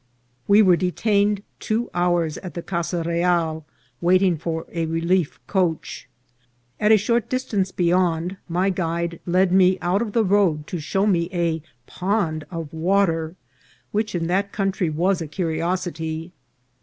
We were detained two hours at the casa real, waiting for a relief coach. At a short distance beyond, my guide led me out of the road to show me a pond of water, which in that country was a curiosity.